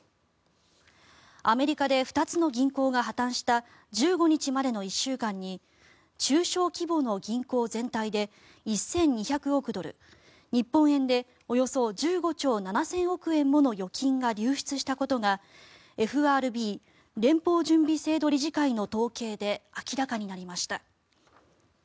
アメリカで２つの銀行が破たんした１５日までの１週間に中小規模の銀行全体で１２００億ドル日本円でおよそ１５兆７０００億円もの預金が流出したことがＦＲＢ・連邦準備制度理事会の統計で明らかになりました。